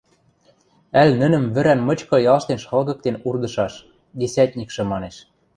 Ӓль нӹнӹм вӹрӓн мычкы ялштен шалгыктен урдышаш! – десятникшӹ манеш.